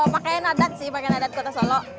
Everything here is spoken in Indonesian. pakaian adat sih pakaian adat kota solo